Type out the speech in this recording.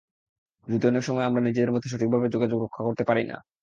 যদিও অনেক সময় আমরা নিজেদের মধ্যে সঠিকভাবে যোগাযোগ রক্ষা করতে পারি না।